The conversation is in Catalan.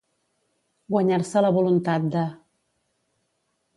Guanyar-se la voluntat de.